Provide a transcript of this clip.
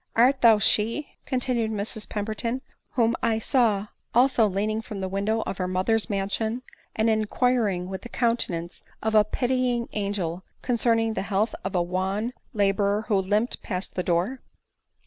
" Art thou she," continued Mrs Pemberton, " whom I saw also leaning from the window of her mother's man sion, and inquiring with the countenance of a pitying an n 146 ADELINE MOWBRAY. gel concerning the health of a wan laborer who limped past the door